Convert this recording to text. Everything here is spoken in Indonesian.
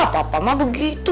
papa mah begitu